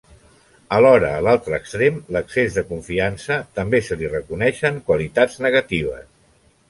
Alhora, a l'altre extrem, l'excés de confiança, també se li reconeixen qualitats negatives.